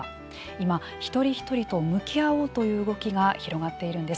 今、一人一人と向き合おうという動きが広がっているんです。